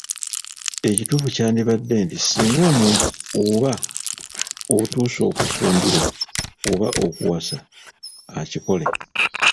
Ekituufu kyandibadde nti singa omuntu oba otuuse okufumbirwa oba okuwasa, akikole.